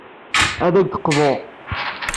Ad ak-d-qḍuɣ.